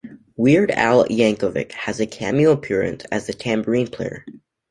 "Weird Al" Yankovic has a cameo appearance as the tambourine player.